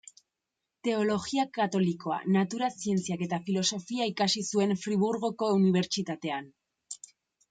Teologia katolikoa, natura-zientziak eta filosofia ikasi zuen Friburgoko Unibertsitatean.